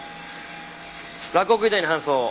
洛北医大に搬送を。